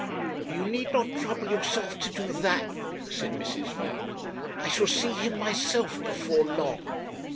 'You need not trouble yourself to do that,' said Mrs. Val. 'I shall see him myself before long.'